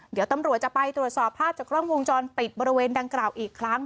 เดี๋ยวตำรวจจะไปตรวจสอบภาพจากกล้องวงจรปิดบริเวณดังกล่าวอีกครั้ง